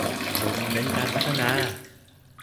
โดยมุ่งเน้นการพัฒนา